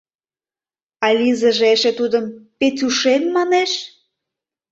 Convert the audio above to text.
А Лизаже эше тудым «Петюшем» манеш?..»